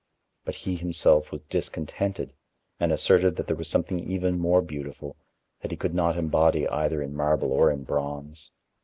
But he himself was discontented and asserted that there was something even more beautiful, that he could not embody either in marble or in bronze.